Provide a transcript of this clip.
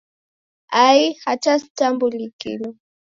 Ai, hata sitambukilo!